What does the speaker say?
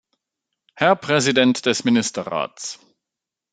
Herr Präsident des Ministerrats!